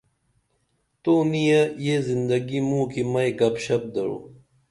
تو نِیہ یہ زندگی موں کی مئی گپ شپ درو